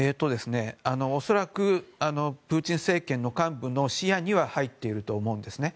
恐らくプーチン政権の幹部の視野には入っていると思うんですね。